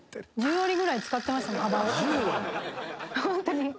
ホントに！